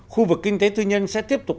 khu vực kinh tế tư nhân sẽ tiếp tục